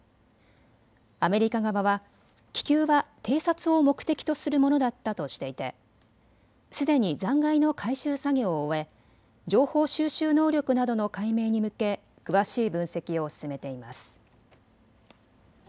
アメリカ側は気球は偵察を目的とするものだったとしていてすでに残骸の回収作業を終え情報収集能力などの解明に向け詳しい分析を進めています。